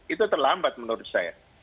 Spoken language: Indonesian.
itu terlambat menurut saya